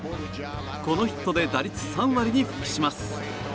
このヒットで打率３割に復帰します。